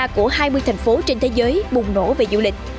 của hai mươi thành phố trên thế giới bùng nổ về du lịch